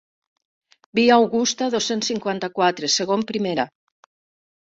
Via Augusta dos-cents cinquanta-quatre, segon primera.